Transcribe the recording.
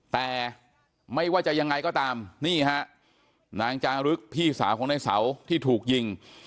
แต่ไม่ว่าจะยังไงก็ตามนี่ฮะนางจารึกพี่สาวของในเสาที่ถูกยิง